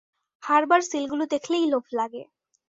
হারবার সিলগুলো দেখলেই লোভ লাগে।